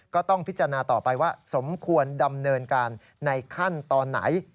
ก็ต้องพิจารณาต่อไปว่าสมควรดำเนินการในขั้นตอนไหน